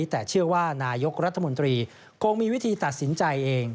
แต่เชื่อว่านายกรัฐมนตรีคงมีวิธีตัดสินใจเอง